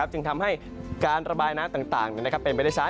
จึงทำให้การระบายน้ำต่างเป็นไปได้ซ้าย